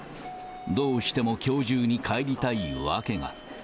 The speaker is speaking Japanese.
どうしてもきょう中に帰りたい訳が。